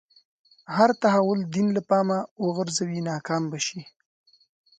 هر تحول دین له پامه وغورځوي ناکام به شي.